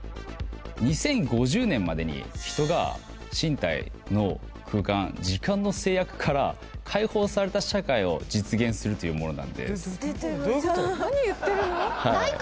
１２０５０年までに人が身体脳空間時間の制約から解放された社会を実現するというものなんで出てるじゃん